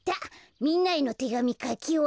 みんなへのてがみかきおわった。